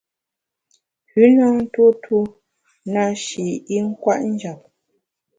Pü na ntuo tuo na shi i nkwet njap.